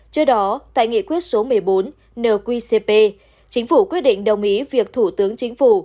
trước đó tại nghị quyết số một mươi bốn nqcp chính phủ quyết định đồng ý việc thủ tướng chính phủ